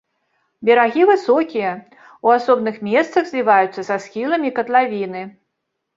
Берагі высокія, у асобных месцах зліваюцца са схіламі катлавіны.